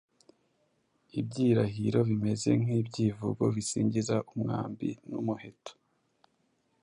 ibyirahiro bimeze nk’ibyivugo bisingiza umwambi n’umuheto .